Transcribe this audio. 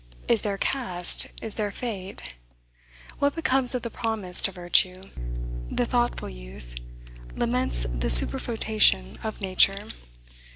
Is there caste? is there fate? What becomes of the promise to virtue? The thoughtful youth laments the superfoetation of nature.